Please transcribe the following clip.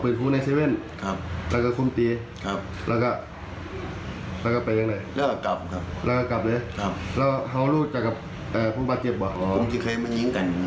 ผมที่เคยมันยิ้งกันอย่างนี้